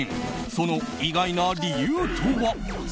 その意外な理由とは？